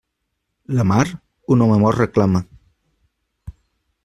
La mar, un home mort reclama.